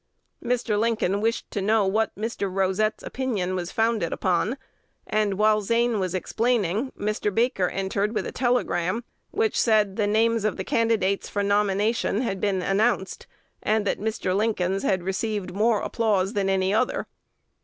Mr. Lincoln wished to know what Mr. Rosette's opinion was founded upon; and, while Zane was explaining, Mr. Baker entered with a telegram, "which said the names of the candidates for nomination had been announced," and that Mr. Lincoln's had been received with more applause than any other.